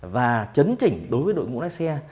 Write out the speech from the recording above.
và chấn chỉnh đối với đội ngũ lái xe